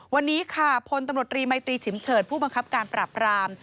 วันนี้ค่ะพตรมชิมเฉินผู้บังคับการปราบกราม